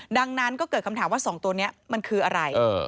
ดังนั้นก็เกิดคำถามว่า๒ตัวนี้มันคืออะไร